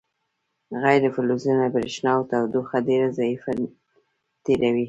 غیر فلزونه برېښنا او تودوخه ډیره ضعیفه تیروي.